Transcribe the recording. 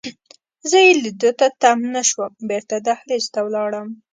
زه یې لیدو ته تم نه شوم، بیرته دهلېز ته ولاړم.